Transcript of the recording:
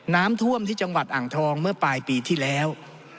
น้ำท่วมที่จังหวัดอ่างทองเมื่อปลายปีที่แล้ว